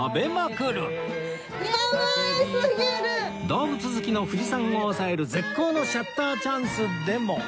動物好きの藤さんを押さえる絶好のシャッターチャンスでも